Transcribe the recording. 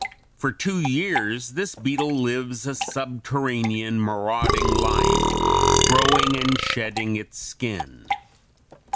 For two years this beetle (Fig. 203) lives a subterranean, marauding life, growing and shedding its skin.